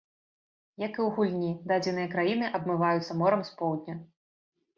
Як і ў гульні, дадзеныя краіны абмываюцца морам з поўдня.